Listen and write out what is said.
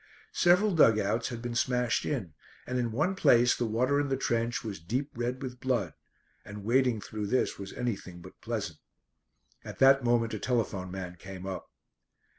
Several dug outs had been smashed in, and in one place the water in the trench was deep red with blood, and wading through this was anything but pleasant. At that moment a telephone man came up.